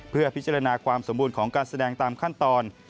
เพื่อพิจารณาความสมบูรณ์ของการแสดงตามขั้นตอน